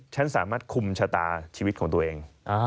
ฉันสามารถคุมชะตาชีวิตของตัวเอง